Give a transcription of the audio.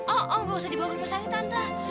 oh gak usah dibawa ke rumah sakit tantah